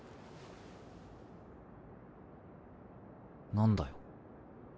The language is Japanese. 何だよ。